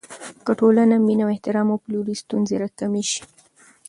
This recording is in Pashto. که ټولنه مینه او احترام وپلوي، ستونزې کمې شي.